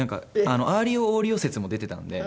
アーリオオーリオ説も出てたので。